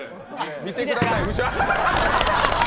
見てください、後ろ。